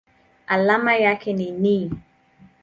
Alama yake ni Ni.